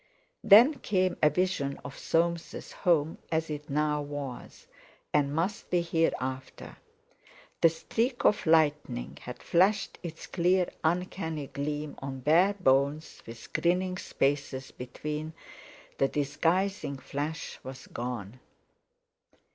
Then came a vision of Soames' home as it now was, and must be hereafter. The streak of lightning had flashed its clear uncanny gleam on bare bones with grinning spaces between, the disguising flesh was gone....